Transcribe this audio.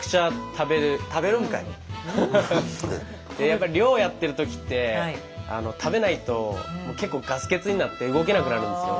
やっぱり漁をやってる時って食べないと結構ガス欠になって動けなくなるんですよ。